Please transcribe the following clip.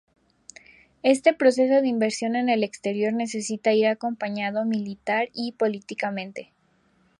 Este proceso de inversión en el exterior necesita ir acompañado militar y políticamente.